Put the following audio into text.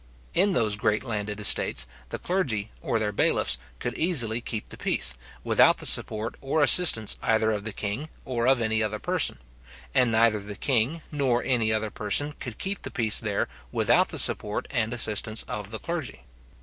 In those great landed estates, the clergy, or their bailiffs, could easily keep the peace, without the support or assistance either of the king or of any other person; and neither the king nor any other person could keep the peace there without the support and assistance of the clergy.